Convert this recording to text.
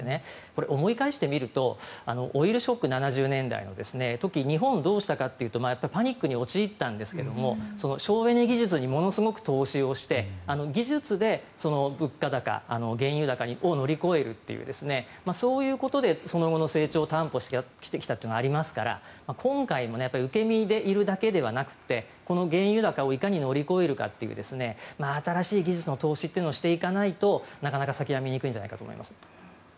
思い返してみるとオイルショック、７０年代の時に日本はどうしたかというとパニックに陥ったんですが省エネ技術にものすごく投資して技術で物価高、原油高を乗り越えるというそういうことでその後の成長を担保してきたというのがありますから今回も受け身でいるだけではなくてこの原油高をいかに乗り越えるかという新しい技術の投資をしていかないとなかなか先が見えにくいんじゃないかと思います。